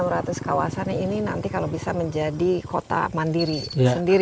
kurang lebih enam ratus kawasan ini nanti kalau bisa menjadi kota mandiri